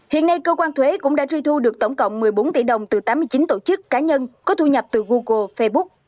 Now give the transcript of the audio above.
hiện nay cơ quan thuế cũng đã truy thu được tổng cộng một mươi bốn tỷ đồng từ tám mươi chín tổ chức cá nhân có thu nhập từ google facebook